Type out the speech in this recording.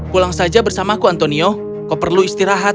pulang saja bersamaku antonio kau perlu istirahat